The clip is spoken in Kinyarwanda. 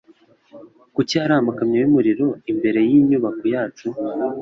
Kuki hari amakamyo yumuriro imbere yinyubako yacu?